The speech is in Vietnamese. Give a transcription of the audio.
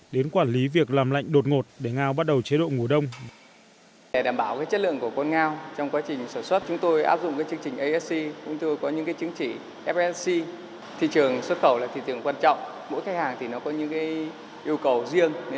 đến quản lý việc làm lạnh đột ngột để ngao bắt đầu chế độ ngủ đông